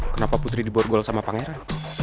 kenapa putri diborgol sama pangeran